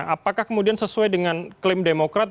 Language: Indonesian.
apakah kemudian sesuai dengan klaim demokrat